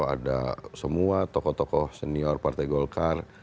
ada semua tokoh tokoh senior partai golkar